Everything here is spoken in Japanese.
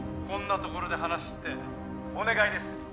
こんな所で話ってお願いです